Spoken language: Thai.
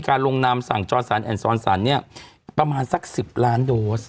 ลงนามสั่งจรสันแอนดซอนสันเนี่ยประมาณสัก๑๐ล้านโดส